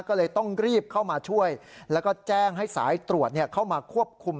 ก็เลยต้องรีบเข้ามาช่วยแล้วก็แจ้งให้สายตรวจเข้ามาควบคุม